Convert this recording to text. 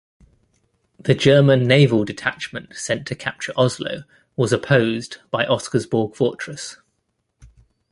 The German naval detachment sent to capture Oslo was opposed by Oscarsborg Fortress.